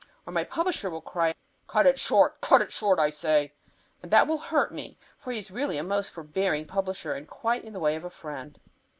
Or my publisher will cry, "Cut it short; cut it short, I say." And that will hurt me, for he is really a most forbearing publisher, and quite in the way of a friend.